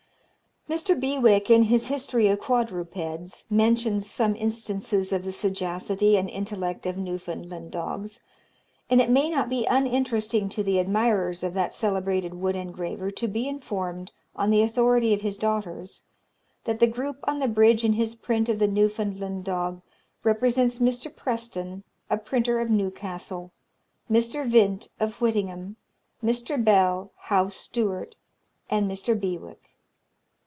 Mr. Bewick, in his history of Quadrupeds, mentions some instances of the sagacity and intellect of Newfoundland dogs; and it may not be uninteresting to the admirers of that celebrated wood engraver to be informed, on the authority of his daughters, that the group on the bridge in his print of the Newfoundland dog represents Mr. Preston, a Printer of Newcastle, Mr. Vint, of Whittingham, Mr. Bell, House Steward, and Mr. Bewick.